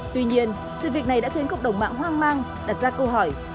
tuy nhiên sự việc này đã khiến cộng đồng mạng hoang mang đặt ra câu hỏi